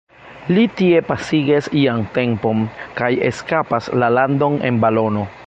Li tie pasigas ian tempon, kaj eskapas la landon en balono.